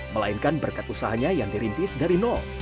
melainkan berkat usahanya yang dirintis dari nol